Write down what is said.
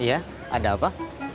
iya ada apa